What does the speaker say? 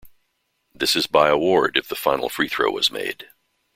This is by award, if the final free throw was made.